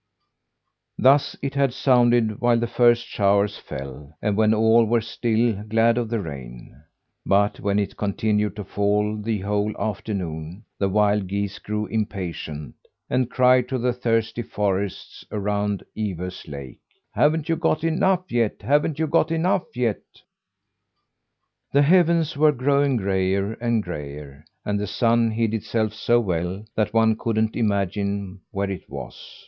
Thus it had sounded while the first showers fell, and when all were still glad of the rain. But when it continued to fall the whole afternoon, the wild geese grew impatient, and cried to the thirsty forests around Ivös lake: "Haven't you got enough yet? Haven't you got enough yet?" The heavens were growing grayer and grayer and the sun hid itself so well that one couldn't imagine where it was.